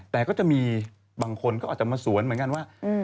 แต่ก็จะมีบางคนก็อาจจะมาสวนเหมือนกันว่า